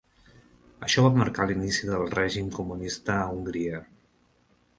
Això va marcar l'inici del règim comunista a Hongria.